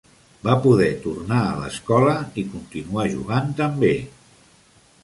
Va poder tornar a l'escola i continuar jugant també.